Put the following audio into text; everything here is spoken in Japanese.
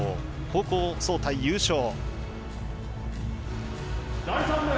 高校総体優勝。